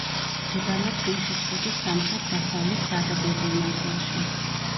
მდებარეობს ლიხის ქედის სამხრეთ-დასავლეთ დადაბლებულ ნაწილში.